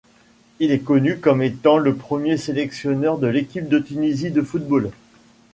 Il est connu comme étant le premier sélectionneur de l'équipe de Tunisie de football.